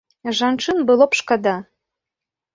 Жанчын было б шкада.